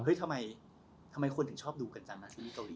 ว่าทำไมคนถึงชอบดูกันจังนะซีรีส์เกาหลี